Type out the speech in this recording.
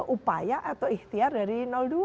upaya atau ikhtiar dari dua